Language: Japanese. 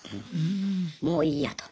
もういいやと。